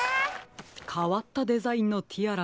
かわったデザインのティアラですね。